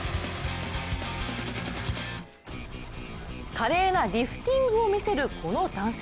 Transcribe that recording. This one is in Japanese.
華麗なリフティングを見せるこの男性。